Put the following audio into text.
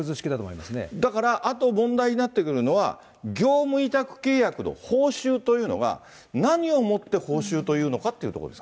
だから、あと問題になってくるのは、業務委託契約の報酬というのは、何をもって報酬というのかということです。